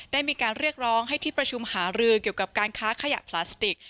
ได้มีการเรียกร้องให้ที่ประชุมหารือเกี่ยวกับการค้าขยะพลาสติก